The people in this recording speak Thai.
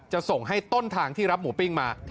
จะส่งให้ต้นทางที่รับหมูปิ้งมา